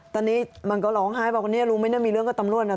ตอนนี้มันก็ร้องไห้บอกว่าเนี่ยลุงไม่ได้มีเรื่องกับตำรวจนะ